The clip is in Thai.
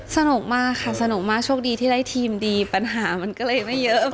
สนุกมากค่ะสนุกมากโชคดีที่ได้ทีมดีปัญหามันก็เลยไม่เยอะ